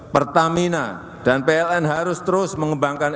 pertamina dan pln harus terus mengembangkan